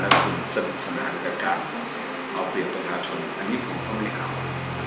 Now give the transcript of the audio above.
แล้วคุณจะนิชย์สมัยการเอาเกี่ยวประชาชนอันนี้ผมก็ไม่เอา